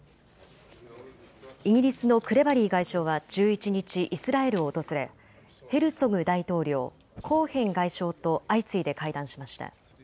イギリスのクレバリー外相は１１日、イスラエルを訪れヘルツォグ大統領、コーヘン外相と相次いで会談しました。